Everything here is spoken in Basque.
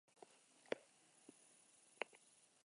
Behin-behineko pasabide bat jarri dute bi noranzkoetan.